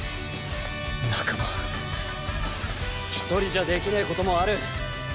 １人じゃできねえこともある。